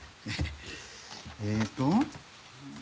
えーっと。